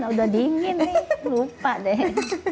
sudah dingin nih lupa deh